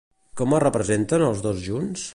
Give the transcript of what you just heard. Com es representen els dos junts?